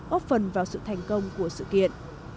ốc phần vào sự thành công của sự kiện